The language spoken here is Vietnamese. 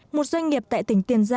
một doanh nghiệp tại tỉnh tiền